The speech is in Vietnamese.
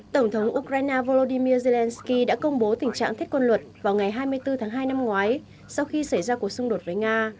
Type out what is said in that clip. tổng thống ukraine volodymyr zelensky đã công bố tình trạng thiết quân luật vào ngày hai mươi bốn tháng hai năm ngoái sau khi xảy ra cuộc xung đột với nga